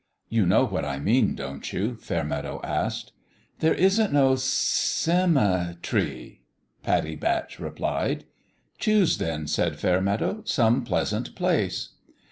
" You know what I mean, don't you ?" Fair meadow asked. " There isn't no cem e tree," Pattie Batch re plied. "Choose, then," said Fairmeadow, "some pleasant place."